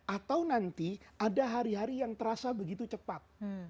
atau nanti ada hari hari yang terasa begitu cepat